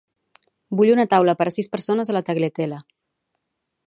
Vull una taula per a sis persones a la Tagliatella.